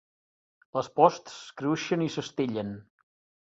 Les posts cruixen i s'estellen.